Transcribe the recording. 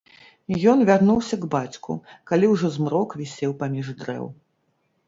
Ён вярнуўся к бацьку, калі ўжо змрок вісеў паміж дрэў.